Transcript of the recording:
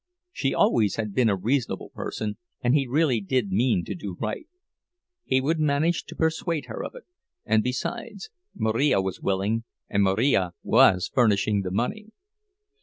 She always had been a reasonable person; and he really did mean to do right. He would manage to persuade her of it—and besides, Marija was willing, and Marija was furnishing the money.